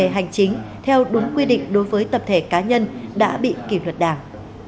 hành chính theo đúng quy định đối với tập thể cá nhân đã bị kỷ luật đảng